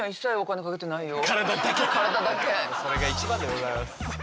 それが一番でございます。